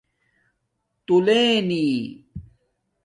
تُولینی